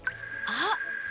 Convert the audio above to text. あっ！